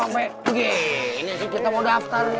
oke ini sih kita mau daftar nih